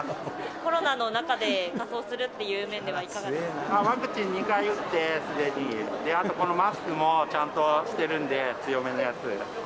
コロナの中で仮装するっていワクチン２回打ってすでに、あとこのマスクもちゃんとしてるんで、強めのやつ。